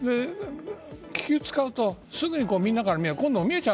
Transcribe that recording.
気球を使うとすぐにみんなから見えちゃう。